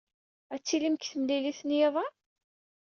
Ad tilim deg temlilit n yiḍ-a?